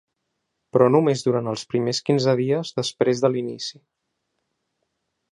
Però només durant els primers quinze dies després de l'inici.